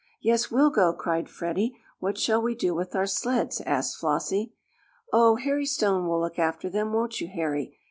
"Yes, we'll go!" cried Freddie. "What shall we do with our sleds?" asked Flossie. "Oh, Harry Stone will look after them; won't you Harry?"